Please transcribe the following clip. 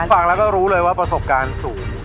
ฟังแล้วก็รู้เลยว่าประสบการณ์สูง